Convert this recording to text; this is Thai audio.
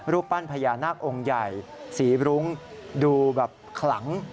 ปั้นพญานาคองค์ใหญ่สีบรุ้งดูแบบขลัง